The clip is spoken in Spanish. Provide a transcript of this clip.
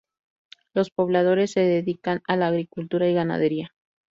Los pobladores se dedican a la agricultura y ganadería.